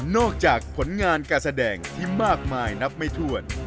จากผลงานการแสดงที่มากมายนับไม่ถ้วน